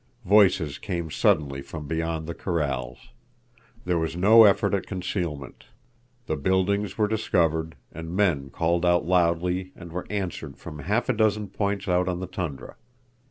Voices came suddenly from beyond the corrals. There was no effort at concealment. The buildings were discovered, and men called out loudly and were answered from half a dozen points out on the tundra.